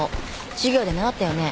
授業で習ったよね？